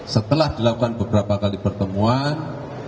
setelah dilakukan beberapa kali pertemuan